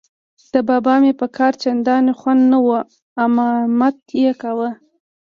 د بابا مې په کار چندان خوند نه و، امامت یې کاوه.